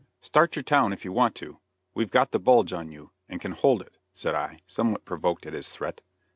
"Start your town, if you want to. We've got the 'bulge' on you, and can hold it," said I, somewhat provoked at his threat.